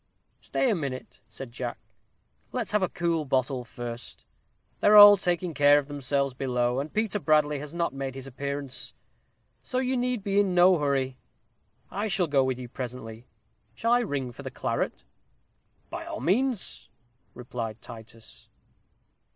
"Stay a minute," said Jack; "let's have a cool bottle first. They are all taking care of themselves below, and Peter Bradley has not made his appearance, so you need be in no hurry. I'll go with you presently. Shall I ring for the claret?" "By all means," replied Titus.